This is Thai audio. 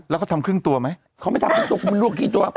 แล้วเขาทำครึ่งตัวไหมเขาไม่ทำครึ่งตัวคุณมันลวกกี่ตัว